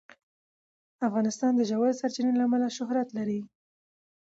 افغانستان د ژورې سرچینې له امله شهرت لري.